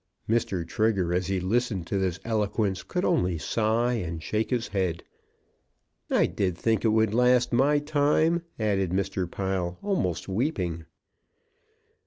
Mr. Trigger, as he listened to this eloquence, could only sigh and shake his head. "I did think it would last my time," added Mr. Pile, almost weeping.